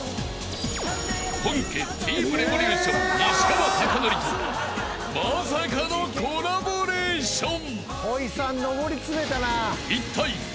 ［本家Ｔ．Ｍ．Ｒｅｖｏｌｕｔｉｏｎ西川貴教とまさかのコラボレーション］